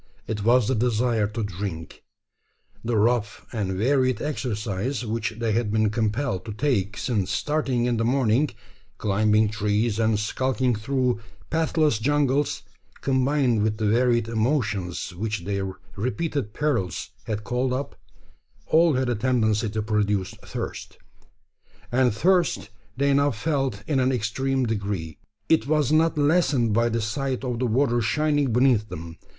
It was the desire to drink. The rough and varied exercise which they had been compelled to take since starting in the morning climbing trees, and skulking through pathless jungles combined with the varied emotions which their repeated perils had called up all had a tendency to produce thirst; and thirst they now felt in an extreme degree. It was not lessened by the sight of the water shining beneath them.